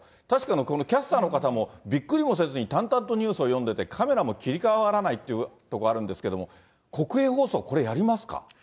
確かにこのキャスターの方もびっくりもせずに、淡々とニュースを読んでて、カメラも切り替わらないというところもあるんですけども、国営放送、これ、やりますか？